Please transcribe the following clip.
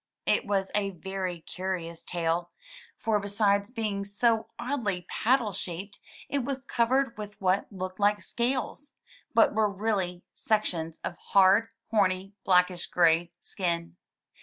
It was a very curious tail, for besides being so oddly paddle shaped, it was covered with what looked like scales, but were really sections of hard, horny, blackish gray skin.